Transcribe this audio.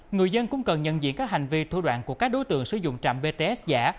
người dân cũng cần nhận diện các hành vi thu đoạn của các đối tượng sử dụng trạm bts giả